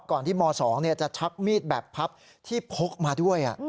ก่อนที่ม๒จะชักมีดแบบพับที่พกมาด้วย